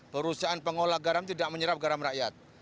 perusahaan pengolah garam tidak menyerap garam rakyat